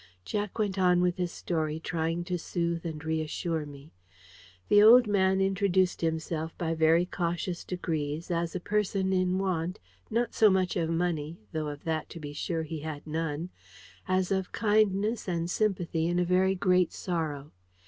Jack went on with his story, trying to soothe me and reassure me. The old man introduced himself by very cautious degrees as a person in want, not so much of money, though of that to be sure he had none, as of kindness and sympathy in a very great sorrow.